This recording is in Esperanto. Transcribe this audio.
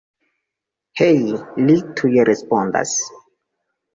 Hej, li tuj respondas.